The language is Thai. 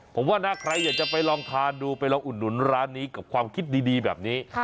ผมว่าถ้าใครอยากจะไปลองทานดูไปลองอุดหนุนร้านนี้กับความคิดดีแบบนี้